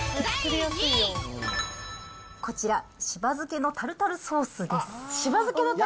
こちら、しば漬のタルタルソースです。